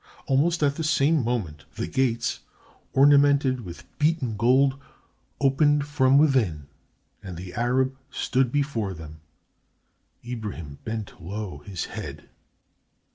Almost at the same moment, the gates, ornamented with beaten gold, opened from within and the Arab stood before them. Ibrahim bent low his head.